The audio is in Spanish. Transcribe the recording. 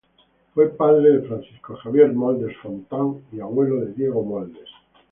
Fue padre de Francisco Javier Moldes Fontán y abuelo de Diego Moldes.